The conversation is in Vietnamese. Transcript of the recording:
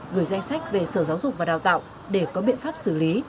gửi danh sách về sở giáo dục và đào tạo để có biện pháp xử lý